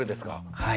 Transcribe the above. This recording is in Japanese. はい。